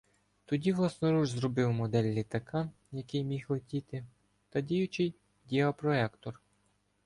Тоді власноруч зробив модель літака, який міг летіти, та діючий діапроектор.